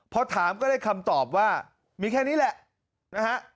พอถามก็ได้คำตอบว่ามีแค่นี้แหละนะฮะ